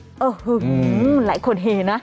อือหือหือหือหืนคงเหนะ